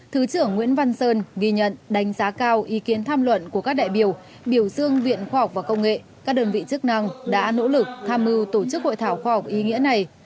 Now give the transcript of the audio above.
thứ trưởng nguyễn văn sơn ghi nhận đánh giá cao ý kiến tham luận của các đại biểu biểu dương viện khoa học và công nghệ các đơn vị chức năng đã nỗ lực tham mưu tổ chức hội thảo khoa học ý nghĩa này